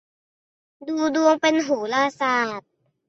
ดูดวงเป็นโหราศาสตร์